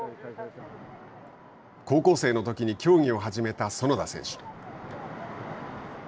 高校生のときに競技を始めた園田選手。